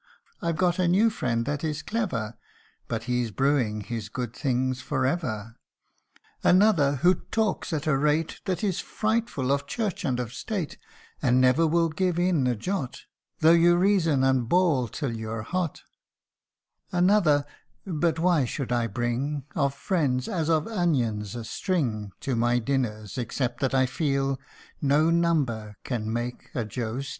I've got a new friend that is clever, But he's brewing his good things for ever Another, who talks at a rate That is frightful, of church and of state, And never will give in a jot, Tho' you reason and bawl till you're hot : Another but why should I bring Of friends, as of onions, a string To my dinners, except that I feel No number can make a Joe Steel